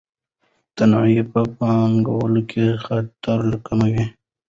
تنوع په پانګونه کې خطر کموي.